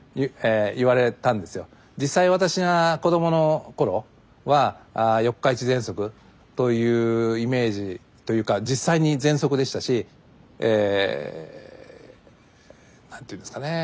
実際私が子供の頃は四日市ぜんそくというイメージというか実際にぜんそくでしたしえ何ていうんですかね